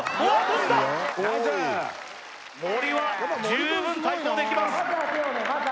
森は十分対抗できます・